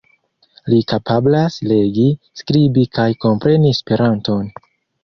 Li kapablas legi, skribi kaj kompreni Esperanton.